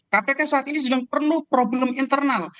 kpk saat ini sedang perlu problem internal